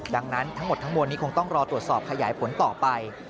ดังนั้นทั้งหมดทั้งมวลนี้คงต้องรอตรวจสอบขยายผลต่อไป